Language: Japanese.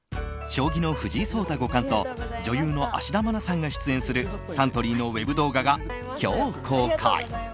将棋の藤井聡太五冠と女優の芦田愛菜さんが出演するサントリーのウェブ動画が今日公開。